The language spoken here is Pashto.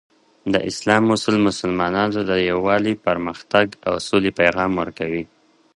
د اسلام اصول مسلمانانو ته د یووالي، پرمختګ، او سولې پیغام ورکوي.